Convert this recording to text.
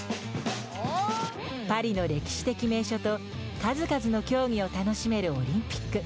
パリの歴史的名所と数々の競技を楽しめるオリンピック。